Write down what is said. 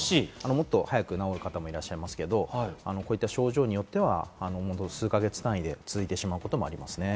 もっと早く治る方もいらっしゃいますけど、こういった症状によっては数か月単位で続いてしまうこともありますね。